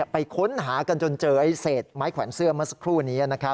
ไปค้นหากันจนเจอเศษไม้แขวนเสื้อเมื่อสักครู่นี้